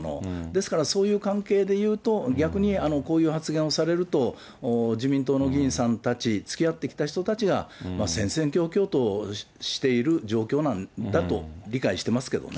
ですからそういう関係でいうと、逆にこういう発言をされると、自民党の議員さんたち、つきあってきた人たちが、戦々恐々としている状況なんだと理解してますけどね。